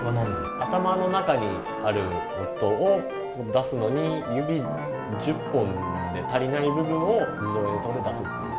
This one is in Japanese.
頭の中にある音を出すのに、指１０本で足りない部分を自動演奏で出す。